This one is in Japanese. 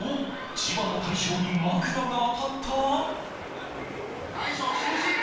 千葉の大将に枕が当たった？